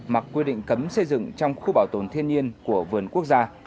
mặc quy định cấm xây dựng trong khu bảo tồn thiên nhiên của vườn quốc gia